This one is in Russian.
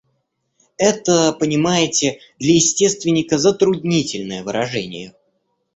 Это, понимаете, для естественника затруднительное выражение.